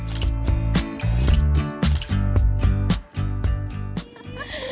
semuanya cocok jadi background untuk foto atau sekadar wifi seperti kami